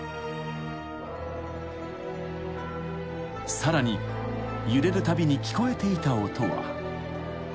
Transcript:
［さらに揺れるたびに聞こえていた音は］